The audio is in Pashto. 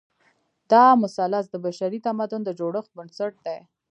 دا مثلث د بشري تمدن د جوړښت بنسټ دی.